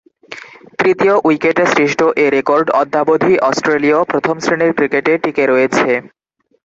তৃতীয় উইকেটে সৃষ্ট এ রেকর্ড অদ্যাবধি অস্ট্রেলীয় প্রথম-শ্রেণীর ক্রিকেটে টিকে রয়েছে।